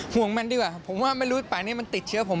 ห่วงมันดีกว่าผมว่าไม่รู้ป่านี้มันติดเชื้อผม